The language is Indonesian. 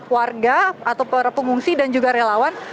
warga atau para pengungsi dan juga relawan